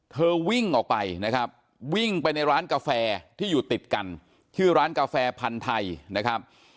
วิ่งออกไปนะครับวิ่งไปในร้านกาแฟที่อยู่ติดกันชื่อร้านกาแฟพันธุ์ไทยนะครับ